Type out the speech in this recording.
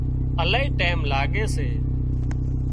الاهي ٽيم لاڳي سي